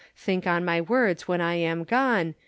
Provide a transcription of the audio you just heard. Thinke on my words when I am gone.